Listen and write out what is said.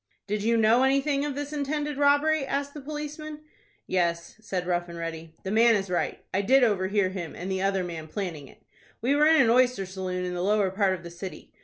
"Did you know anything of this intended robbery?" asked the policeman. "Yes," said Rough and Ready, "the man is right. I did overhear him and the other man planning it. We were in an oyster saloon in the lower part of the city.